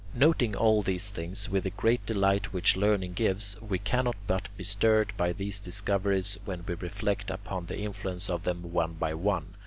Noting all these things with the great delight which learning gives, we cannot but be stirred by these discoveries when we reflect upon the influence of them one by one.